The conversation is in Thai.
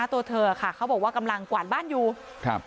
ตัวเธอค่ะเขาบอกว่ากำลังกวาดบ้านอยู่ครับ